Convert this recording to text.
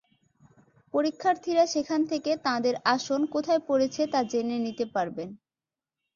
পরীক্ষার্থীরা সেখান থেকে তাঁদের আসন কোথায় পড়েছে তা জেনে নিতে পারবেন।